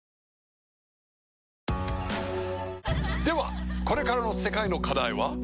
ではこれからの世界の課題は？